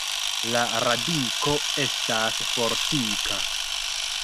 La radiko estas fortika.